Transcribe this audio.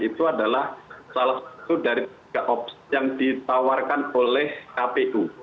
itu adalah salah satu dari tiga opsi yang ditawarkan oleh kpu